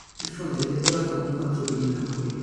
Il fronte è decorato con quattro pinnacoli.